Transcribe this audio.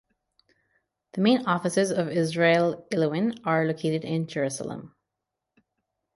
The main offices of Israel Elwyn are located in Jerusalem.